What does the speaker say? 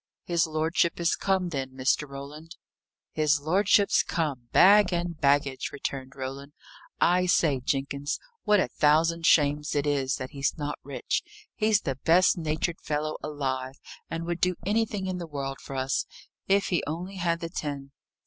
"His lordship is come, then, Mr. Roland?" "His lordship's come, bag and baggage," returned Roland. "I say, Jenkins, what a thousand shames it is that he's not rich! He is the best natured fellow alive, and would do anything in the world for us, if he only had the tin."